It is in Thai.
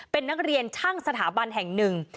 เป็นนักเรียนช่างสถาบันแห่งหนึ่ง